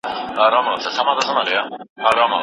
که موږ یو بل ته مننه ووایو نو ژوند به مو روښانه سي.